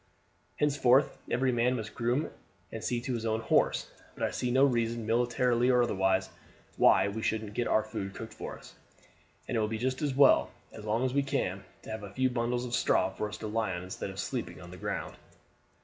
Henceforth every man must groom and see to his own horse, but I see no reason, military or otherwise, why we shouldn't get our food cooked for us; and it will be just as well, as long as we can, to have a few bundles of straw for us to lie on instead of sleeping on the ground.